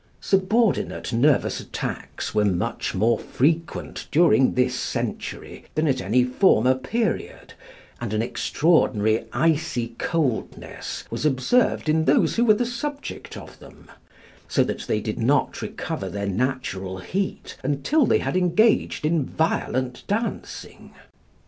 Subordinate nervous attacks were much more frequent during this century than at any former period, and an extraordinary icy coldness was observed in those who were the subject of them; so that they did not recover their natural heat until they had engaged in violent dancing.